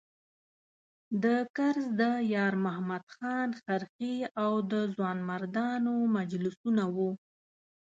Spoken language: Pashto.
د کرز د یارمحمد خان خرخښې او د ځوانمردانو مجلسونه وو.